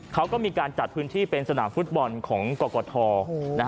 เขาก็มีการจัดพื้นที่เป็นสนามฟุตบอลของกรกฐ